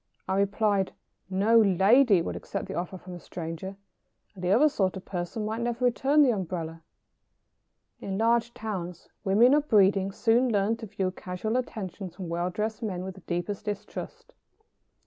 I replied: "No lady would accept the offer from a stranger, and the other sort of person might never return the umbrella." In large towns women of breeding soon learn to view casual attentions from well dressed men with the deepest distrust.